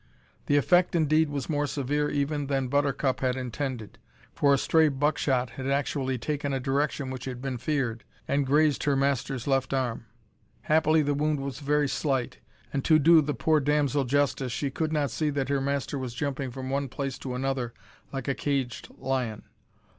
The effect indeed, was more severe even than Buttercup had intended, for a stray buckshot had actually taken a direction which had been feared, and grazed her master's left arm! Happily the wound was very slight, and, to do the poor damsel justice, she could not see that her master was jumping from one place to another like a caged lion.